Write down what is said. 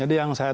jadi yang saya